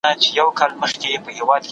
ما پرون د سبا لپاره د هنرونو تمرين وکړ